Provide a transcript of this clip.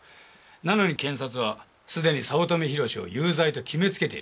なのに検察はすでに早乙女宏志を有罪と決めつけている。